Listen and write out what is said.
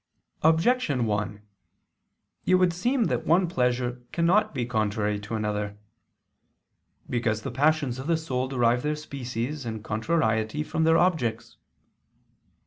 Objection 1: It would seem that one pleasure cannot be contrary to another. Because the passions of the soul derive their species and contrariety from their objects.